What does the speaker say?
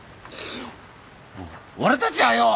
俺たちはよ